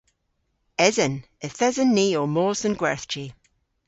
Esen. Yth esen ni ow mos dhe'n gwerthji.